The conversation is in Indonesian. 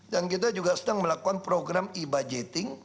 dan kita juga sedang melakukan program e budgeting